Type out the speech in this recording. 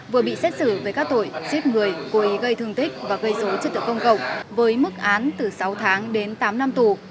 vừa bị xét xử về các tội giết người cố ý gây thương tích và gây dối trật tự công cộng với mức án từ sáu tháng đến tám năm tù